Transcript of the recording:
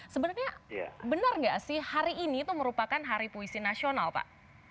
sebenarnya benar nggak sih hari ini itu merupakan hari puisi nasional pak